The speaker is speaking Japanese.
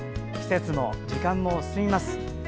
季節も時間も進みます。